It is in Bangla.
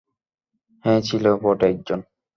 হ্যাঁ, ছিল বটে একজন।